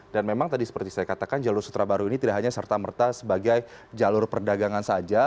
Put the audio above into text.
dan memang tadi seperti saya katakan jalur sutra baru ini tidak hanya serta merta sebagai jalur perdagangan saja